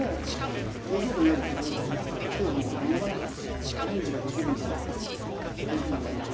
冷蔵庫にあるフルーツを使っていろんなアレンジができるんじゃないかなというふうに思います。